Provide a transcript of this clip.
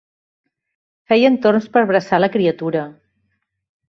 Feien torns per bressar la criatura.